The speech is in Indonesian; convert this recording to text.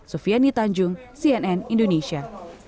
sofiani tanjung cnn indonesia